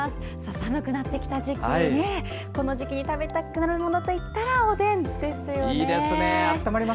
寒くなってきた時期に食べたくなるものといったらおでんですよね。